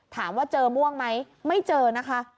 ถามว่าเจอม่วงไหมไม่เจอนะคะ